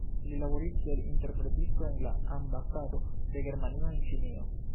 Li laboris kiel interpretisto en la ambasado de Germanio en Ĉinio.